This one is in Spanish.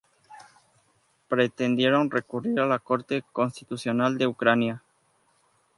Pretendieron recurrir a la Corte Constitucional de Ucrania.